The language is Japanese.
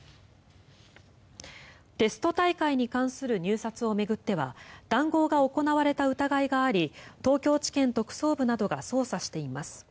テスト大会に関する入札を巡っては談合が行われた疑いがあり東京地検特捜部などが捜査しています。